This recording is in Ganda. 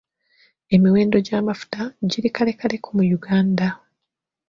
Emiwendo gy'amafuta giri kalekaleko mu Uganda.